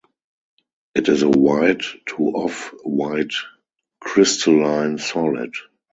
It is a white to off-white crystalline solid.